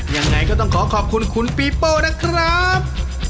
ยังไงก็ต้องขอขอบคุณคุณปีโป้นะครับ